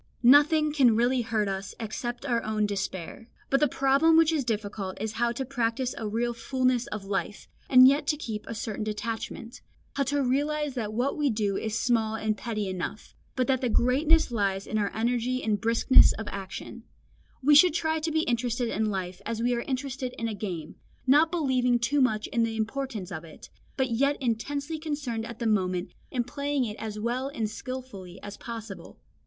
Nothing can really hurt us except our own despair. But the problem which is difficult is how to practise a real fulness of life, and yet to keep a certain detachment, how to realise that what we do is small and petty enough, but that the greatness lies in our energy and briskness of action; we should try to be interested in life as we are interested in a game, not believing too much in the importance of it, but yet intensely concerned at the moment in playing it as well and skilfully as possible.